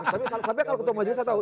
tapi kalau ketemu aja saya tahu